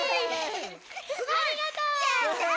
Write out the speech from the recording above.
ありがとう！